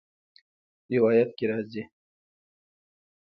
روايت کي راځي :